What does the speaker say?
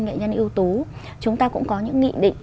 nghệ nhân ưu tú chúng ta cũng có những nghị định